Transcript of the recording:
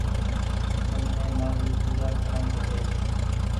تمني مآري پوجآ ڪرڻ کپي